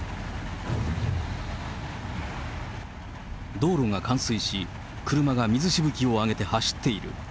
道路が冠水し、車が水しぶきを上げて走っている。